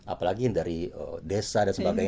apalagi dari desa dan sebagainya